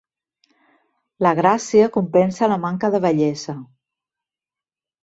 La gràcia compensa la manca de bellesa.